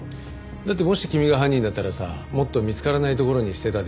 だってもし君が犯人だったらさもっと見つからない所に捨てたでしょ？